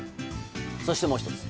そして、もう１つ。